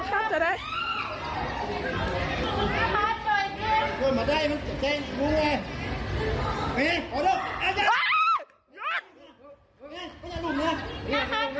กระดาษรวมหลายสุดท้าย